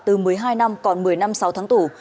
từ một mươi hai năm còn một mươi năm sáu tháng tù